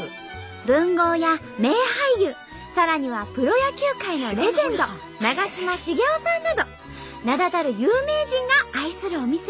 文豪や名俳優さらにはプロ野球界のレジェンド長嶋茂雄さんなど名だたる有名人が愛するお店。